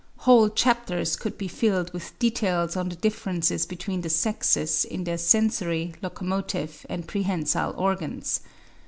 Whole chapters could be filled with details on the differences between the sexes in their sensory, locomotive, and prehensile organs.